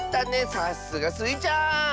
さすがスイちゃん！